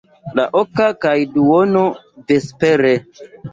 La oka kaj duono vespere.